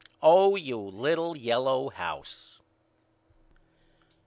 Oh you little yellow house.